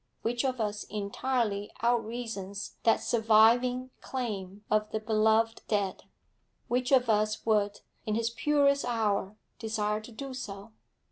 Which of us entirely out reasons that surviving claim of the beloved dead? Which of us would, in his purest hour, desire to do so?